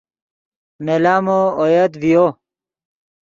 نے لامو اویت ڤیو